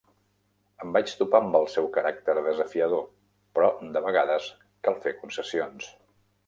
Em vaig topar amb el seu caràcter desafiador, però de vegades cal fer concessions.